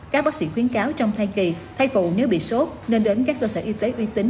các bác sĩ khuyến cáo trong thai kỳ thai phụ nếu bị sốt nên đến các cơ sở y tế uy tín